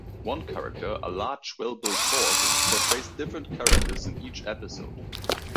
One character, a large, well-built horse, portrays different characters in each episode.